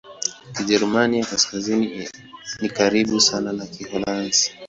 Kijerumani ya Kaskazini ni karibu sana na Kiholanzi.